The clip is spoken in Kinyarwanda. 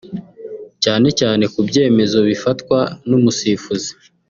cyane cyane ku byemezo bifatwa n’umusifuzi